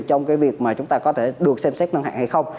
trong việc chúng ta có thể được xem xét nâng hạng hay không